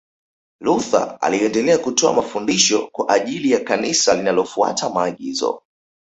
Luther aliendelea kutoa mafundisho kwa ajili ya Kanisa linalofuata maagizo